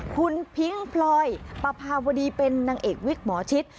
คุณพิ้งพลอยปภาวดีเป็นนางเอกวิกหมอชิด